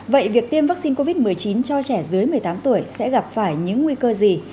vậy việc tiêm vaccine covid một mươi chín cho trẻ dưới một mươi tám tuổi sẽ gặp phải những nguy cơ gì